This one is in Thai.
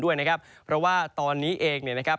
ด้วยนะครับเพราะว่าตอนนี้เองเนี่ยนะครับ